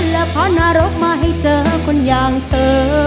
และพานรกมาให้เจอคนอย่างเธอ